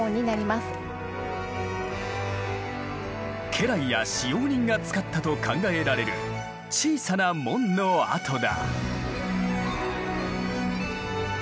家来や使用人が使ったと考えられる小さな門の跡だ。